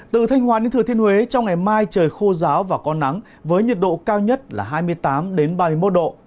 từ thanh hóa đến thừa thiên huế trong ngày mai trời khô giáo và có nắng với nhiệt độ cao nhất là hai mươi tám ba mươi một độ